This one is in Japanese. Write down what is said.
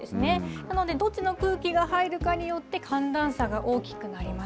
なので、どっちの空気が入るかによって、寒暖差が大きくなります。